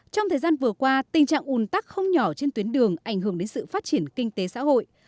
trong thời gian vừa qua tình trạng ùn tắc không nhỏ trên tuyến đường ảnh hưởng đến sự phát triển kinh tế xã hội